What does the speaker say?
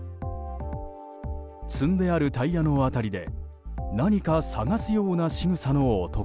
積んであるタイヤの辺りで何か探すようなしぐさの男。